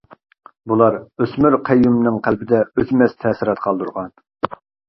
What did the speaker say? بۇلار ئۆسمۈر قەييۇمنىڭ قەلبىدە ئۆچمەس تەسىرات قالدۇرغان.